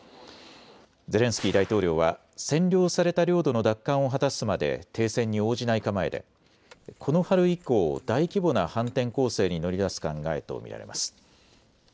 ゼレンスキー大統領は占領された領土の奪還を果たすまで停戦に応じない構えでこの春以降、大規模な反転攻勢に乗り出す考えと見られます。